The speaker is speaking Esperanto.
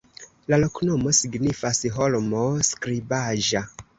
La loknomo signifas: holmo-skribaĵa.